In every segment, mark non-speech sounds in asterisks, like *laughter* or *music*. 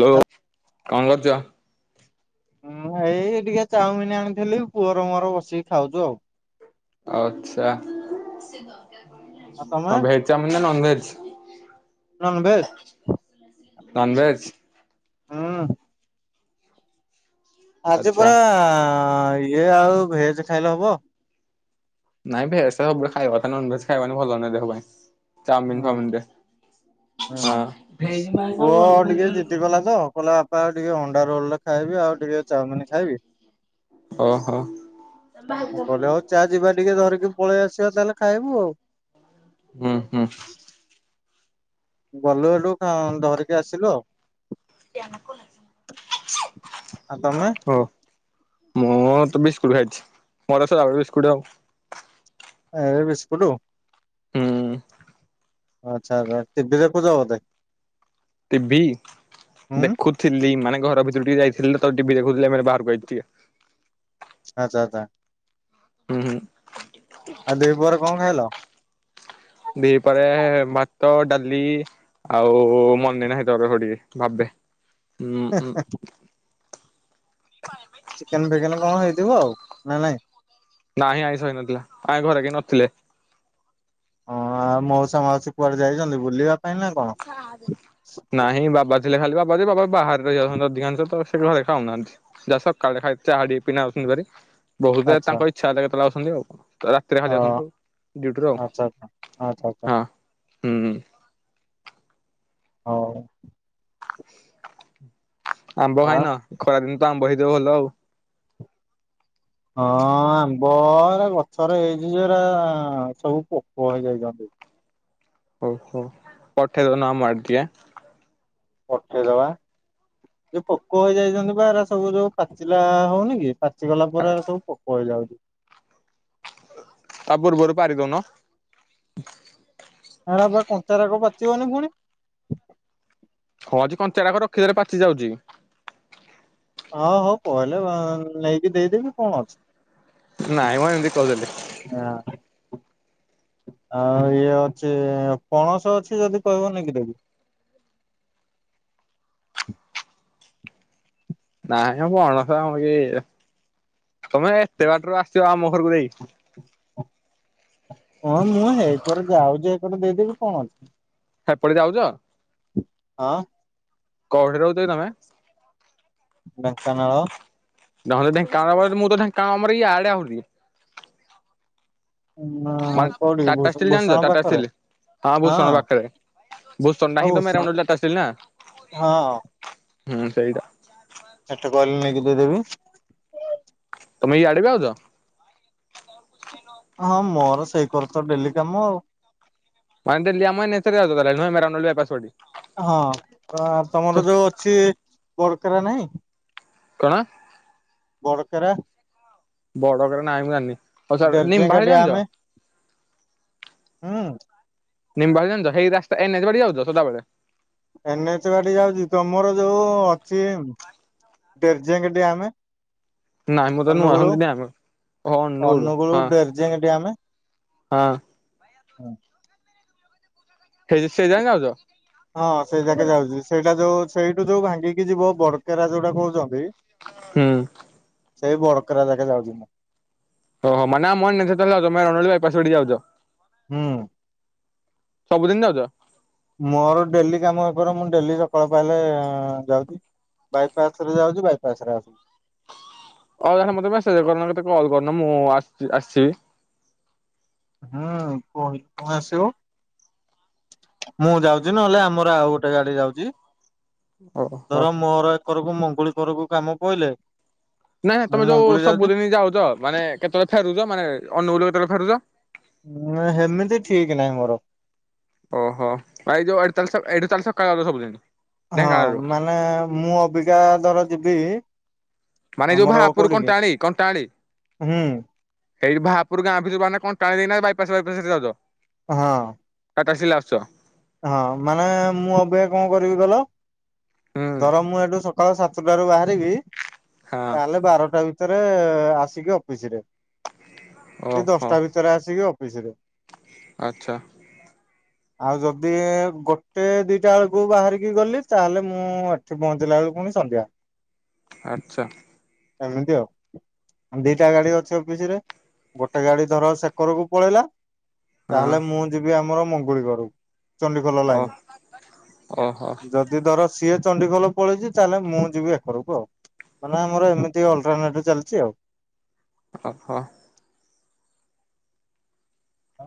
Hello କଣ କରୁଚ? ମୁଁ ଭାଇ ଏଇ ଟିକେ ଚାଉମିିନ୍ ଆଣିଥିଲି ପୁଅର ମୋର ବସିକି ଖାଉଚୁ ଆଉ। ଆଛା ଆଉ ତମେ କଣ ଭେଜ୍ ଚାଉମିନ୍ ନା ନନ ଭେଜ୍? ନନଭେଜ୍। ନନଭେଜ୍। ହୁଁ। ଆଜି ଆଚ୍ଛା ପରା ଇଏ ଆଉ ଭେଜ୍ ଖାଇଲେ ହବ। ନାଇ ଭେଜ୍ ଟା ସବୁ ବେଳେ ଖାଇବା କଥା ନା ନନ ଭେଜ୍ ଖାଇବା ଭଲ ନୁହେଁ ଦେହ ପାଇଁ ଚାଉମିନ ହୁଁ ଫେଅମିନରେ ହୁଁ ପୁଅ ଟିକେ ଜିଦିକଲା ତ। କହିଲା ବାପା ଆଉ ଟିକେ ଅଣ୍ଡା ରୋଲଟେ ଖାଇବି ଆଉ ଟିକେ ଚାଉମିନ୍ ଖାଇବି। ଓହୋ ମୁଁ କହିଲି ଆଉ ଚା ଯିବା ଟିକେ ଧରିକି ପଳେଇ ଆସିବା ତାହେଲେ ଖାଇବୁ ଆଉ। ହୁଁ ହୁଁ। ଗଲୁ ହେଠୁ କଣ ଧରିକି ଆସିଲୁ ଆଉ। ଆଉ ତମେ ହୋଉ। ମୁଁ ତ ବିସ୍କୁଟ ଖାଇଚି ମୋର ସଦାବେଳେ ବିସ୍କୁଟ ଆଉ। ଆରେ ଏ ବିସ୍କୁଟୁ? ହୁଁ। ଆଛା ଆଛା ଟିଭିିଦେଖୂଛ ବୋଧେ? ଟିଭି ହୁଁ ଦେଖୁଥିଲି ମାନେ ଘର ଭିତରୁ ଟିକେ ଯାଇଥିଲି ତ ଟିଭି ଦେଖୁଥିଲି ଆମ ବାହାରକୁ ଆଇଚି ଟିକେ। ଆଛା ଆଛା। ହୁଁ ହୁଁ ଆଉ ଦିଇ ପହରେ କଣ ଖାଇଲ? ଦିଇ ପହରେ ଭାତ ଡାଲି ଆଉ ମନେ ନାହିଁ ତ ରହ ଟିକେ ଭାବେ ଉଁ ଚିକେନ୍ ଫିଇକେନ୍ କଣ ହେଇଥିବ ଆଉ ନା ନାଇଁ? ନାହିଁ ଆଇଁସ ହେଇନଥିଲା ଆମ ଘରେ କିଏ ନଥିଲେ। ହଁ ଆଉ ମଉସା ମାଉସୀ କୁଆଡେ ଯାଇଚନ୍ତି ବୁଲିବା ପାଇଁ ନା କଣ? ହଁ ଆବେ। ନାହିଁ ବାବା ଥିଲେ ଖାଲି ବାବା ଯେ ବାବା ବାହାରେ ରହି ଯାଉଛନ୍ତି ଅଧିକାଂଶ ତ ସେ ଘରେ ଖାଉନାହାନ୍ତି। ଯା ସକାଳେ ଖାଲି ଚାହା ଟିକେ ପିନା କିନା ଆଉଚନ୍ତି ଭାରି ବହୁତ ଆଚ୍ଛା ତାଙ୍କ ଇଛା ହେଲେ କେତେବେ ଆସଚନ୍ତି ଆଉ। ରାତିରେ ଖାଲି ହଁ ଆସନ୍ତୁ ଡୁଟିରୁ ଆଉ ଆଚ୍ଛା ଆଚ୍ଛା ଆଚ୍ଛା ଆଚ୍ଛା ହଁ ହୁଁ। ହୋଉ। ଆମ୍ବ ଆ ଖାଇନ ଖରା ଦିନେ ତ ଆମ୍ବ ହେଇଥିବ ଭଲ ଆଉ। ହଁ ଆମ୍ବ ହେରା ଗଛରେ ହେଇଚି ଯୋଉରା ସବୁ ପୋକ ହେଇଯାଇଚନ୍ତି। ଓଉହୋ ପଠେ ଦଉନ ଆମ ଆଡେ ଟିକେ? ପଠେଇଦବା ଯୋଉ ପୋକ ହେଇ ଯାଇଚନ୍ତି ବାା ଏରା ସବୁ ଯୋଉ ପାଚିଲା ହୋଉନିକି ପ ପାଚିଗଲା ପରେ ହେରା ସବୁ ପୋକ ହେଇଯାଉଚି। ତା ପୂର୍ବରୁ ପାରିଦୋଉନ? ହେରାପା କଞ୍ଚାରାଗ ପାଚିବନି ପୁଣି। ହଁ ଆଜି କଞ୍ଚାଟାକ ରଖିଦଲେ ପାଚି ଯାଉଚି। ହଁ ହଉ କହିଲେ ନେଇକି ଦେଇଦେବି କଣ ଅଛି? ନାଇଁ ମୁଁ ଏମିତି କହିଦେଲି ହଁ। ଆଉ ଇଏ ଅଛି ପଣସ ଅଛି ଯଦି କହିବନି କି ଦେଦି ନାଇଁ ଆ ପଣସ ଆମ କି, ତମେ ଏତେ ବାଟରୁ ଆସିବ ଆମ ଘରକୁ ଦେଇ ହଁ ମୁଁ ଏଇପଟେ ଯାଉଛି, ଏପଟେ ଦେଇଦେବି କଣ ଅଛି? ଆ କୁଆଡ଼େ ଯାଉଛ? ହଁ। କୋଉଠି ରହୁଛ କି ତମେ? ଢେଙ୍କାନାଳ ନହେଲେ ନାଇଁ *unintelligible* ୟାଡେ ଆଉନି ଉଁ ମ କୋଉଠି ଟାଟା ଭୂଷ ଷ୍ଟିଲ୍ ଭୂଷଣ ଜାଣିଛ, ଟଟା ପାଖରେ ଷ୍ଟିଲ୍? ହଁ ଭୂଷଣ ପାଖରେ। ଭୂଷଣ ଟା ହିଁ ତ ଏରାଉଣ୍ଡ ଟାଟା ଷ୍ଟିଲ ନା, ହଁ ହୁଁ ସେଇଟା ସେଠା କହିଲି ନେଇକି ଦେଇଦେବି ତମେ ୟାଡେ ବି ଆଉଛ? ହଁ ମୋର ସେଇ କର ତ ଡେଲି କାମ ଆଉ। *unintelligible* ହଁ ତମର ଯୋଉ ଅଛି, ବରକେରା ନାଇଁ? କଣ? ବଡ଼କେରା? ବଡକେରା ନାଇଁ ମୁ ଜାଣିନି, ହଉ ଛାଡ଼, ଡେରଜେଙ୍ଗା ନିମବହାଡ଼ ଜାଣିଛ? ହଁ। ନିମ୍ବା ଜାଣିଛ ସେଇ ରାସ୍ତା ଏନ୍ଏଚ ବାଡି ଯାଉଛ ସଦାବେଳେ? ଏନ୍ ଏଚ ବାଟେ ଯାଉଚି, ତମର ଯୋଉ ଅଛି ଟ୍ରେଜେଙ୍ଗ ଡ୍ୟାମ। ନାଇଁ ମୁଁ ତ ଅନୁଗୁଳୁ ନୁଆନ୍ତି ନାଇ ଆମ ହଁ ନୁଡୁ ଅନୁଗୁଳୁ ହଁ। ଡେରଜେଙ୍ଗ ଡ୍ୟାମ ସେଇ ସେଯାଇଁ ଯାଉଚ? ହଁ ସେଇ ଯାକେ ଯାଉଚି। ସେଇଟା ଯୋଉ ସେଇଠୁ ଯୋଉ ଭାଙ୍ଗିକି ଯିବ, ବଡକେରା ଯୋଉଟା କହୁଚନ୍ତି ହୁଁ। ସେଇ ବଡକେରା ଜାକେ ଯାଉଚି ମୁଁ। ଓହୋ *unintelligible* ଯାଉଛ ହୁଁ ସବୁଦିନ ଯାଉଚ? ମୋର ଡେଲି କାମ ହେପାର, ମୁଁ ଡେଲି ସକାଳ ପାଇଲେ ଯାଉଚି। ବାଇପାସ ରେ ଯାଉଛି ବାଇପାସ ରେ ଆସୁଛି। ହଉ ତାହେଲେ ମତେ ମେସେଜ କରୁନ, କି କେତେ କଲ୍ କରୁନ ମୁଁ ଆସିଛି ଆସିବି। ହୁଁ କହି କ ଆସିବ। ମୁଁ ଯାଉଚି ନହେଲେ ଆମର ଆଉ ଗୋଟେ ଗାଡି ଯାଉଚି। ଓହୋ। ଧର, ମୋର ଏକରକୁ ମଙ୍ଗୁଳି କରକୁ କାମ ପଇଲେ ନାଇଁ ନା ମୁଁ ତମେ ଯୋଉ ମଙ୍ଗୁଳି ଯାଉଛି। ସବୁଦିନ ଯାଉଚ, ମାନେ କେତେବେଳେ ଫେରୁଚ, ମାନେ ଅନୁଗୁଲ କେତେବେଳେ ଫେରୁଚ? ହେମିତି ଠିକ ନାହିଁ ମୋର। ଓହୋ ଭାଇ ଯୋଉ ଏଠୁ, ଏଠୁ ତାହାଲେ ସକାଳୁ ଯାଉଚ ସବୁଦିନ? ହଁ ଢେଙ୍କାନାଳରୁ ମାନେ ମୁଁ ଅବିକା ଧର ଯିବି ମାନେ ଯୋଉ ଆମର ଭାପୁର ଯୋଉ କୋଉଠିକି କଣ୍ଟାଳି କଣ୍ଟାଳି? ହୁଁ ସେଇ ବାହାପୁର ଗାଁ ଭିତୁରୁ ବହାରିନେ କଣ୍ଟାଳି ଦେଇକିନା ନା ବାଇପସ ବାଇପାଶ୍ ରେ ଯାଉଚ? ହଁ। ଟାଟା ଷ୍ଟିଲ ଆସୁଚ? ହଁ ମାନେ ମୁଁ ଅବିକା କଣ କରିବି କହିଲ, ହୁଁ। ଧର ମୁଁ ଏଠୁ ସକାଳ ସାତ ସାତୁଟାରୁ ବାହାରିବି ହଁ ତାହେଲେ ବାରଟା ଭିତରେ ଆସିକି ଅଫିସ ରେ। କି ଦଶଟା ଭିତରେ ଆସିକି ଅଫିସ ରେ। ଆଛା। ଆଉ ଯୋଉ ଦି ଗୋଟେ ଦିଟା ବେଳକୁ ବାହାରିକି ଗଲି, ତାହେଲେ ମୁଁ ଏଠି ପହଞ୍ଚିଲା ବେଳକୁ ପୁଣି ସନ୍ଧ୍ୟା। ଆଚ୍ଛା। ଏମିତି ଆଉ। ଦିଟା ଗାଡି ଅଛି ଅଫିସରେ ଗୋଟେ ଗାଡି ଧର ସେକରକୁ ପଳେଇଲା। ହଁ ତାହେଲେ ମୁଁ ଯିବି ଆମର ମଙ୍ଗୁଳି କରକୁ। ଚଣ୍ଡିଖୋଲ ଓ ଲାଇନ ଓହୋ ଯ ଯଦି ଧର ସିଏ ଚଣ୍ଡଖୋଲ ପଳେଇଛି ତାହେଲେ ମୁଁ ଯିବି ଏକରକୁ। ଆଉ ମାନେ ଆମର ଏମିତି ଏମିତି ଅଲଟ୍ରନେଟ୍ ଚାଲିଛି ଆଉ ଓହୋ। ହଉ।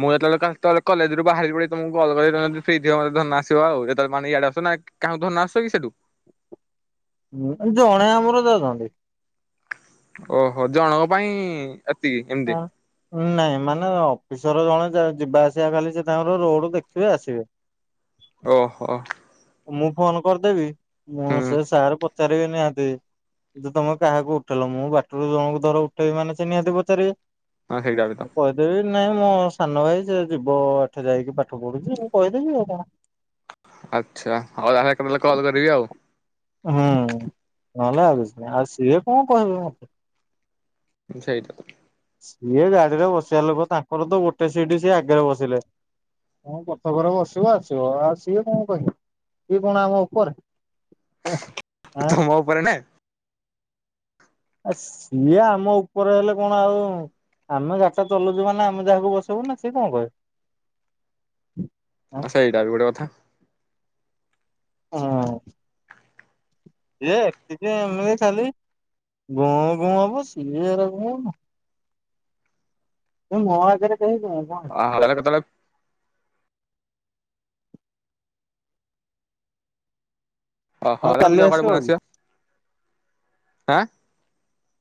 ମୁଁ ଯେତେବେଳେ କ କ କଲେଜରୁୁ ବାହାରି ପଡିବି, ତମକୁ ମୁଁ କଲ୍ କରିବି ଯଦି ଫ୍ରି ଥିବ ମତେ ଧରନ ଆସିବ ଆଉ। ତେବେଳେ ମାନେ ଇଆଡେ ଆସ ନା କାହାକୁ ଧରିଣ ଆସୁଚ କି ସେଠୁ। ମୁଁ ତ ଜଣେ ଆମର ଯାଉଛେତ୍। ଓହୋ ଜଣଙ୍କ ପାଇଁ। ଏତିକି କି ହଁ। ନାଇଁ ମାନେ ଅଫିସର ଜଣେ ଯିବା ଆସିବା ଖାଲି ସେ ତାଙ୍କର ରୋଡ ଦେଖିବେ ଆସିବେ। ଓହୋ। ମୁଁ ଫୋନ କରିଦେବିଁ ମୁଁ ହୁଁ ସେ ସାର୍ ପଚାରିବେ ନିହାତି। ଯେ ତମେ କାହାକୁ ଉଠେଇଲ, ମୁଁ ବାଟରୁ ଜଣଙ୍କୁ ଧର ଉଠେଇବି ମାନେ ସେ ନିହାତି ପଚାରିବେ। ହଁ ସେଇଟା ବି ତ ମୁଁ କ ହି ଦେବି ନାଇଁ ମୋ ସାନ ଭାଇ ସେ ଯିବ ଏଠି ଯାଇକି ପାଠ ପଢୁଛି ମୁଁ କହିଦେବି ଆଉ କଣ? ଆଚ୍ଛା ହଉ ତାହାଲେ କେତେବେଳେ କଲ୍ କରିବି ଆଉ ହୁଁ ନହେଲେ ଆଉ କିଛିନାହିଁ, ଆଉ ସିଏ କଣ କହିବେ ମତେ? ସେଇତ ଆଉ ସିଏ ଗାଡିରେ ବସିବା ଲୋକ, ତାଙ୍କର ତ ଗୋଟେ ସିଟ ସିଏ ଆଗରେ ବସିଲେ। ହଁ ପଛକରେ ବସିବ ଆସିବ ଆଉ ସିଏ କଣ କହିବେ ସିଏ କଣ ଆମ ଉପରେ? ହୁଁ। ତମ ଉପରେ ନା? ଆ ସିଏ ଆମ ଉପରେ ହେଲେ କଣ ଆଉ ଆମେ ଗାଡ଼ିଟା ଚଲଉଛୁ ମାନେ ଆମେ ଯହାକୁ ବସେଇବୁ ନା, ସେ କଣ କହିବେ? ଆଁ ଆଚ୍ଛା ସେଇଟାବି ଗୋଟେ କଥା। ହଁ। ସିଏ ଏତିକି ଇଏ ଖାଲି ଗୁଁ ଗୁଂ ହବ ସିନିଅର ମୁଁ। ମୋ ଆଗରେ କେହି ଗୁଁ ଗୁଁ ହେବେନି। ଅଲଗା କେତେବେଳେ? ହଁ କାଲି ଆସିବ କି *unintelligible*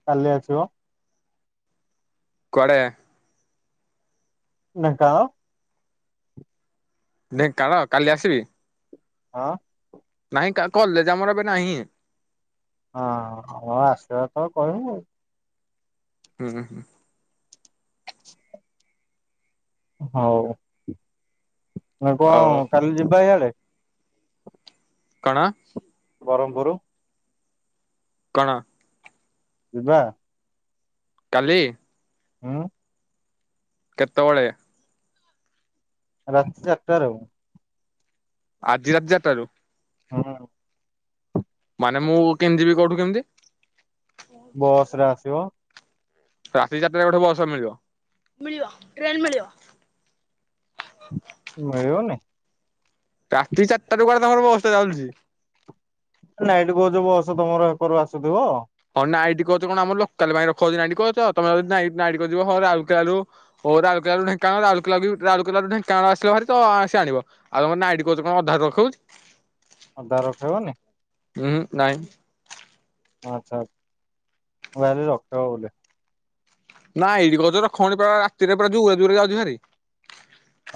କାଲି ଆସିବ। କୁଆଡେ? ନା ତ। ଢେଙ୍କାନାଳ କାଲି ଆସିବି? ହଁ। ନାଇଁ କ କଲେଜ୍‌ ଏବେ ନାହିଁ। ହଁ ହୋଉ ଆସିବ ତ କହିବୁ ଆଉ। ହୁଁ ହୁଁ। ହୋଉ ନା ହଉ କଣ କାଲି ଯିବା ଇଆଡେ? କଣ? ବ୍ରହ୍ମପୁର କଣ? ଯିବା। କାଲି? ଉଁ। କେତେବେଳେ? ରାତି ଚାରିଟାରେ। ଆଜି ରାତି ଚାରିଟାରୁ? ହୁଁ। ମାନେ ମୁଁ କେମିତିି ଯିବି, କୋଉଠୁ କେମିତି? ବସ୍‌ରେ ଆସିବ। ରାତି ଚାରିଟାରେ ଗୋଟେ ବସ୍‌ ମିଳିବ। ମିଳିବନି? ରାତି ଚାରିଟାରୁ କୁଆଡେ ତମର ବସ୍ ଟା ଚାଲୁଚି? ନାଇଟ୍ କହୁଚ ବସ୍‌ ତମର ହେକରୁ ଆସୁଥିଵ। ହଁ ନାଇଟ୍ କହୁଚ ଆମର ଲୋକାଲ୍ ପାଖରେ ରଖୁଚି ନାଇଁଟ୍ କହୁଚ ତମେ ନାଇଁ ନାଇଁଟ୍ ହଁ ରାଉଲକେଲା ରୁ ଓ ରାଉଲକେଲାରୁ ଢେଙ୍କାନାଳ, ରାଉଲକେଲା ରାଉଲକେଲାରୁ ଢେଙ୍କାନାଳ ଆସିବହାରିତ ସେ ଆଣିବ। ଆଉ ନାଇଟ୍ କହୁଚ କଣ ଅଧାରୁ ରଖୋଉଚି। ଅଧାରେ ରଖେଇବନି? ହୁଁ ନାଇଁ। ଆଚ୍ଛା ମୁଁ ଭାବିଲି ରଖେଇବ ବୋଧେ। ନା ଏଇଠି କହୁଚ ରଖୋଉନି ତ ରାତିରେ ପୁରା ଦୂରେ ଦୂରେ ଯାଉଚିହାରି।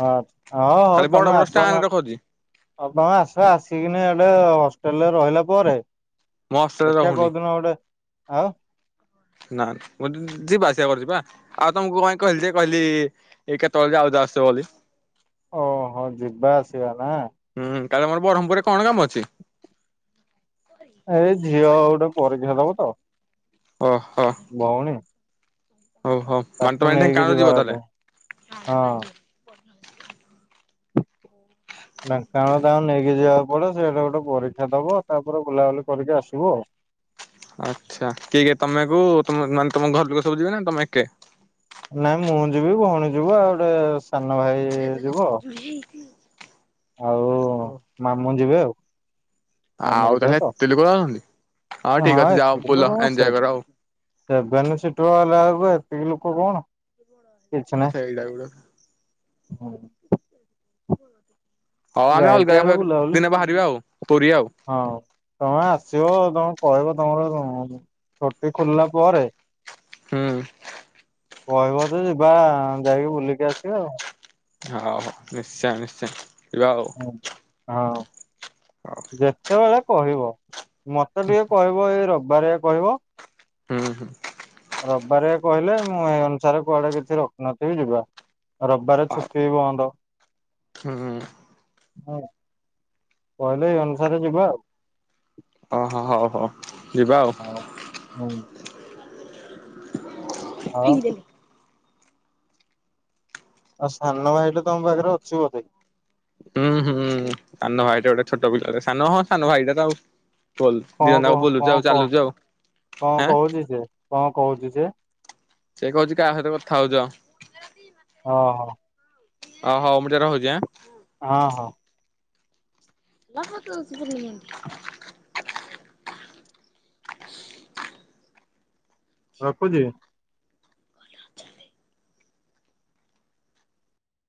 ହଁ ହଁ ହୋଉ ଖାଲି ବଡ ତମେ ବଡ ଷ୍ଟାଣ୍ଡରେ ଆସନା ରଖଉଛି ହଁ ତମେ ଆସ ଆସିକିନି ଏବେ ହଷ୍ଟେଲରେ ରହିଲା ପରେ ମୋ ହଷ୍ଟେଲରେ ଦେଖିଆ ରହୁନି କୋଉଦିନ ଗୋଟେ ଆଁ। ନା ମୁଁ ଯିବା ଆସିବା କରୁଚି ପା ଆଉ ତମକୁ କାଇଁ କହିଲି ଯେ କହିଲି ଏଇ କେତେବେଳେ ଯାଉଚ ଆସିବ ଯଦି। ଓହୋ ଯିବା ଆସିବା ନା। ହୁଁ କାଲି ତମର ବ୍ରହ୍ମପୁରରେ କଣ କାମ ଅଛି? ଏଇ ଝିଅ ଗୋଟେ ପରିକ୍ଷା ଦବ ତ। ଓହୋ। ଭଉଣୀ? ଓହୋ ମାନେ ତାକୁ ତମେ ଆଜି ନେଇକି ଢେଙ୍କାନାଳ ଯିବ ଯିବାର ଅଛି ତାହେଲେ। ହଁ। ଢେଙ୍କାନାଳ ତାଙ୍କୁ ନେଇକି ଯିବାକୁ ପଡିବ ସେଠେ ଗୋଟେ ପରୀକ୍ଷା ଦବ ତାପରେ ବୁଲାବୁଲି କରିକି ଆସିବୁ ଆଉ। ଆଚ୍ଛା କିଏ କିଏ ତମକୁ ମାନେ ତମ ଘର ଲୋକ ସବୁ ଯିବେ ନା ତମେ ଏକା? ନାଇଁ ମୁଁ ଯିବି ଭଉଣୀ ଯିବ ଆଉ ଗୋଟେ ସାନ ଭାଇ ଯିବ। ଆଉ ମାମୁଁ ଯିବେ ଆଉ। ମାମୁଁ ଆଉ ଙ୍କ ଝିଅ ତାହେଲେ ତ ଏତେ ଲୋକ ଯାଉଛନ୍ତି ହଉ ଠିକ ହଁ ଅଛି ଯାଅ ଏତିକି ବୁଲ ତ ଯମା ଏଞ୍ଜୟ ସେଫ। କର ଆଉ। ସେଭେନ ସିଟର ହେଲାବେଳକୁ ଏତିକି ଲୋକ କଣ କିଛି ନାହିଁ। ସେଇଟା ଗୋଟେ ହଁ। ହଁ ଆମେ ଯାଇକି ଅଲଗା ଦିନେ ବାହାରିବା ଆଉ ପୁରି ଆଉ। ହଉ ତମେ ଆସିବ ତମେ କହିବ ତମର କଣ ହଉଚି। ଛଟି ଖୋଲିଲା ପରେ ହୁଁ। କହିବ ଯେ ଯିବା ଯାଇକି ବୁଲିକି ଆସିବା ଆଉ। ହଉ ନିଶ୍ଚୟ ନିଶ୍ଚୟ ଯିବା ଆଉ। ହଁ ଆଉ ହଉ ଯେତେବେଳେ କହିବ ମତେ ଟିକେ କହିବ। ପୁଅ ଏଇ ରବିବାରେ କହିବ। ହୁଁ ହୁଁ। ରବିବାରିଆ କହିଲେ ମୁଁ ଏଇ ଅନୁସାରେ କୁଆଡେ କିଛି ରଖିନଥିବି ଯିବା। ରବିବାରେ ଆଉ ଛୁଟି ବନ୍ଦ। ହୁଁ ହୁଁ ଉଁ। ହଁ କହିଲେ ଏଇ ଅନୁସାରେ ଯିବା ଆଉ। ଓହୋ ହଉ ହଉ ଯିବା ଆଉ। ହଁ ହଉ। ଆଉ ଫିଙ୍ଗଦେଲିି। ଆଉ ସାନ ଭାଇଟା ତମ ପାଖରେ ଅଛି ବୋଧେ। ହୁଁ ହୁଁ ସାନ ଭାଇଟା ଗୋଟେ ଛୋଟ ପିଲା ସାନ ହଁ ସାନ ଭାଇଟା ତ ଆଉ। ବୋଲ କଣ ଦିଇଜଣ ଯାକ କଣ ବୁଲୁଛ କଣ ଆଉ କହ ଚାଲୁଛ ଆଉ କଣ ଆଁ। କହୁଛି ସେ କଣ କହୁଛି ସେ? ସେ କହୁଛି କାହା ସହିତ କଥା ହଉଛ? ଓଁ ହୋ। ଅ ହଉ ମୁଁ ଟିକେ ରହୁଛି ଆଁ। ହଁ ହଁ। *unintelligible* ରଖୁଛି।